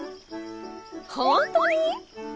ほんとに？